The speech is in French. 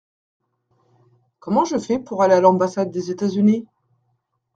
Comment je fais pour aller à l’ambassade des États-Unis ?